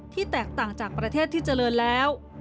แตกต่างจากประเทศที่เจริญแล้ว